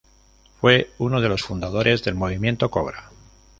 Fue uno de los fundadores del movimiento Cobra.